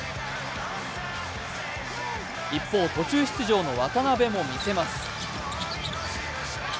一方、途中出場の渡邊も見せます。